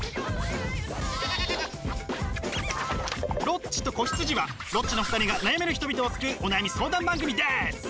「ロッチと子羊」はロッチの２人が悩める人々を救うお悩み相談番組です！